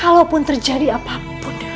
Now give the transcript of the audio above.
kalaupun terjadi apapun dengan aku